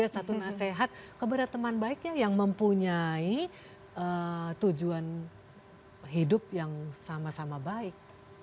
satu nasihat kepada teman baiknya yang mempunyai tujuan hidup yang sama sama baik